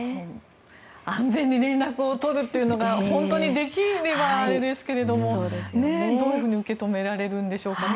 安全に連絡を取るというのが本当にできればあれですけどどういうふうに受け止められるんでしょうか。